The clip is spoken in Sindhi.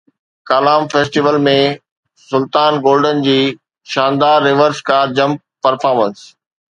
ڪالام فيسٽيول ۾ سلطان گولڊن جي شاندار ريورس ڪار جمپ پرفارمنس